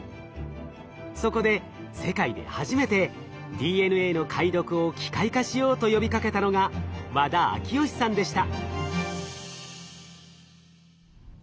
そこで世界で初めてＤＮＡの解読を機械化しようと呼びかけたのが和田昭允さんでした。